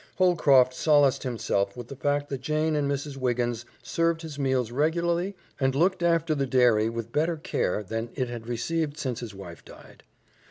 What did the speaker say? Holcroft solaced himself with the fact that Jane and Mrs. Wiggins served his meals regularly and looked after the dairy with better care than it had received since his wife died.